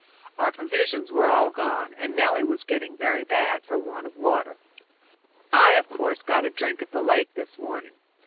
Our provisions were all gone and Nelly was getting very bad for want of water. I, of course, got a drink at the lake this morning.